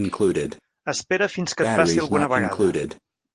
Espera fins que et passi alguna vegada.